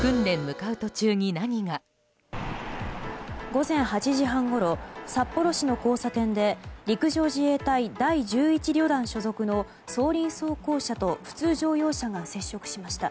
午前８時半ごろ札幌市の交差点で陸上自衛隊第１１旅団所属の装輪装甲車と普通乗用車が接触しました。